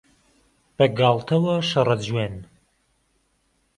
بەگاڵتەوە شەڕە جوێن